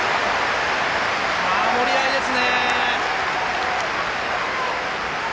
守りあいですね。